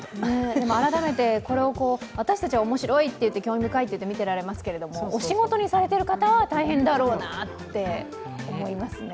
でも改めて、これを私たちは面白いといって興味本位に見てられますけど、お仕事にされてるかたは、大変だろうなと思いますね。